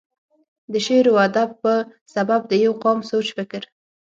دَ شعر و ادب پۀ سبب دَ يو قام سوچ فکر،